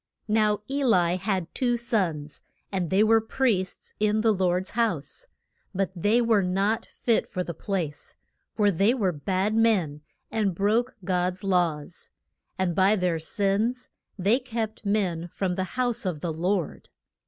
Now E li had two sons, and they were priests in the Lord's house. But they were not fit for the place, for they were bad men, and broke God's laws. And by their sins they kept men from the house of the Lord.